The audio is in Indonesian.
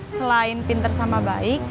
selain pinter sama baik